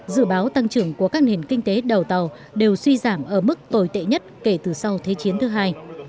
dự báo tăng trưởng của các nền kinh tế đầu tàu đều suy giảng ở mức tồi tệ nhất kể từ sau thế chiến ii